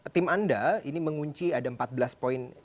tim anda ini mengunci ada empat belas poin